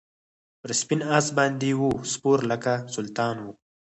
پر سپین آس باندي وو سپور لکه سلطان وو